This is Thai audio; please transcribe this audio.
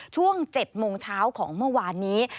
ช่วง๗โมงเช้าของเมื่อวานนี้